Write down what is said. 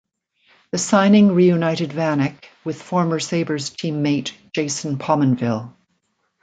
The signing reunited Vanek with former Sabres teammate Jason Pominville.